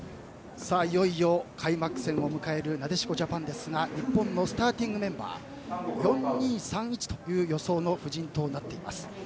いよいよ開幕戦を迎えるなでしこジャパンですが日本のスターティングメンバー４−２−３−１という予想の布陣となっています。